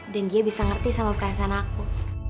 dan dia bisa ngerti sama perasaan aku